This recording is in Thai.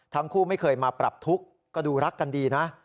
ทั้งคู่ไม่เคยมาปรับทุกข์ก็ดูรักกันดีนะ